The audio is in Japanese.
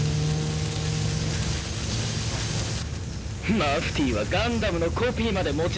マフティーはガンダムのコピーまで持ち出すのか。